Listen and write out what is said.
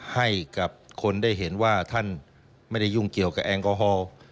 ให้กับคนได้เห็นว่าท่านไม่ได้ยุ่งเกี่ยวกับแอลกอฮอล์